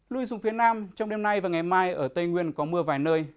lui xuống phía nam trong đêm nay và ngày mai ở tây nguyên có mưa vài nơi